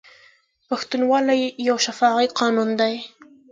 پښتونولي یو شفاهي قانون دی.